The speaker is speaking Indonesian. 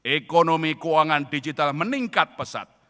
ekonomi keuangan digital meningkat pesat